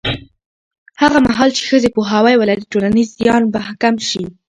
هغه مهال چې ښځې پوهاوی ولري، ټولنیز زیان به کم شي.